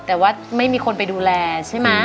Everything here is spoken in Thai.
แต่ว่าไม่มีคนไปดูแลใช่ไหม